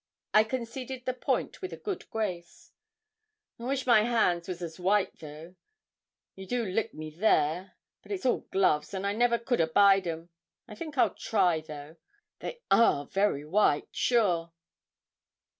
I conceded the point with a good grace. 'I wish my hands was as white though you do lick me there; but it's all gloves, and I never could abide 'em. I think I'll try though they are very white, sure.'